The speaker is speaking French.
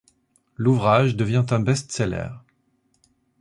L'ouvrage devient un best-seller.